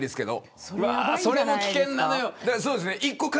それも危険なのよ。